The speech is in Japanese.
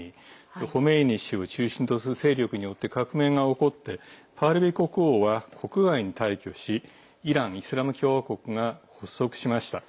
ホメイニ師を中心とする勢力に革命が起こってパーレビ国王は国外に退去しイラン・イスラム共和国が発足しました。